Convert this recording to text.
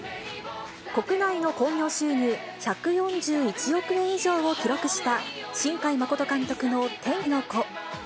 国内の興行収入１４１億円以上を記録した、新海誠監督の天気の子。